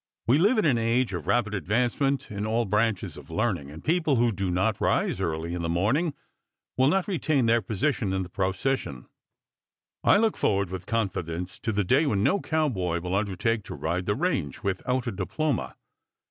We live in an age of rapid advancement in all branches of learning, and people who do not rise early in the morning will not retain their position in the procession. I look forward with confidence to the day when no cowboy will undertake to ride the range without a diploma.